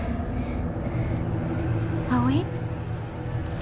葵？